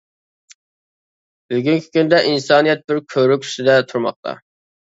بۈگۈنكى كۈندە ئىنسانىيەت بىر كۆۋرۈك ئۈستىدە تۇرماقتا.